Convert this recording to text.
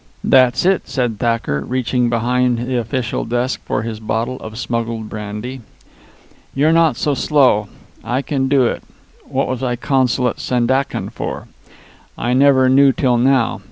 "That's it," said Thacker, reaching behind the official desk for his bottle of smuggled brandy. "You're not so slow. I can do it. What was I consul at Sandakan for? I never knew till now.